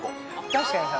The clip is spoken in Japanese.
確かにさ